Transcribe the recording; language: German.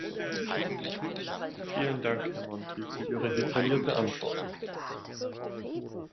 Vielen Dank, Herr Monti, für Ihre detaillierte Antwort.